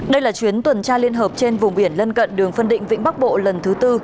đây là chuyến tuần tra liên hợp trên vùng biển lân cận đường phân định vĩnh bắc bộ lần thứ tư